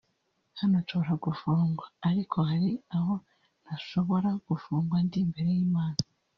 hano nshobora gufungwa ariko hari aho ntashobora gufungwa ndi imbere y’Imana